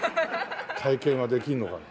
体験はできるのかな？